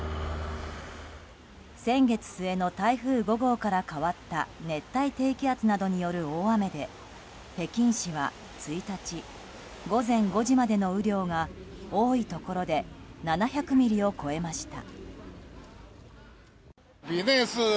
先月末の台風５号から変わった熱帯低気圧などによる大雨で北京市は１日午前５時までの雨量が多いところで７００ミリを超えました。